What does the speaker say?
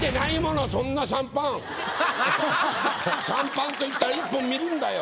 シャンパンといったら１本見るんだよ。